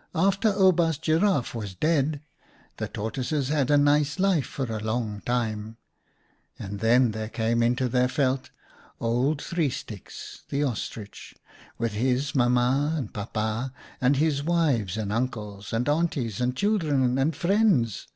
" After Oubaas Giraffe was dead, the Tor toises had a nice life for a long time, and then there came into their veld Old Three Sticks, the Ostrich, with his mam ma and pap pa, and his wives, and uncles, and aunties, and children, and friends.